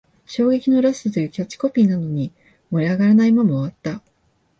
衝撃のラストというキャッチコピーなのに、盛り上がらないまま終わった